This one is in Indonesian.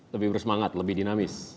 lebih bersemangat lebih dinamis